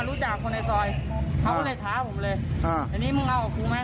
รู้จักคนในซอยเขาก็เลยท้าผมเลยอ่าทีนี้มึงเอากับกูไหม